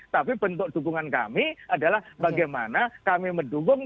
tapi bentuk dukungan kami adalah bagaimana kami mendukung